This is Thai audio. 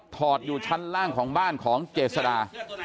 อดอยู่ชั้นล่างของบ้านของเจษดา